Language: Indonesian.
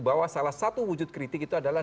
bahwa salah satu wujud kritik itu adalah